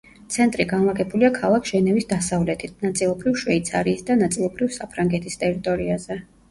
ცენტრი განლაგებულია ქალაქ ჟენევის დასავლეთით, ნაწილობრივ შვეიცარიის და ნაწილობრივ საფრანგეთის ტერიტორიაზე.